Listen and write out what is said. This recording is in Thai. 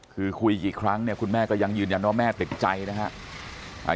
คุยกี่ครั้งคุณแม่ก็ยังยืนอย่างว่าแม่ติดใจนะครับ